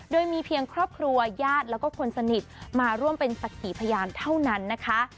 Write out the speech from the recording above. โดยมีเพียงครอบครัวญาติแล้วก็คนสนิทมาร่วมเป็นสักขีพยานเท่านั้นนะคะ